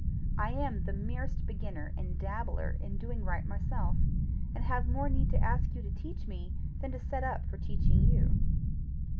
I am the merest beginner and dabbler in doing right myself, and have more need to ask you to teach me than to set up for teaching you."